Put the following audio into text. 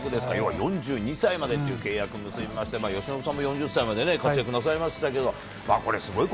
４２歳までっていう契約結びまして、由伸さんも４０歳まで活躍なさいましたけど、これ、すごいこ